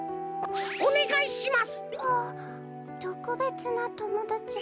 とくべつなともだち。